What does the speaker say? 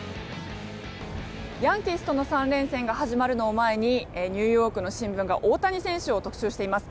ヤンキースとの３連戦が始まるのを前にニューヨークの新聞が大谷選手を特集しています。